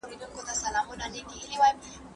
رسول الله پر خپلو ميرمنو شفقت درلود